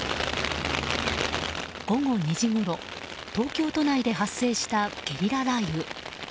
午後２時ごろ東京都内で発生したゲリラ雷雨。